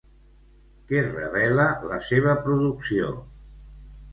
Què revela la seva producció?